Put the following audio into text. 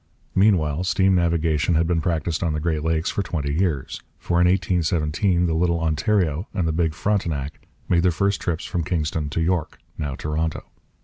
Meanwhile steam navigation had been practised on the Great Lakes for twenty years; for in 1817 the little Ontario and the big Frontenac made their first trips from Kingston to York (now Toronto).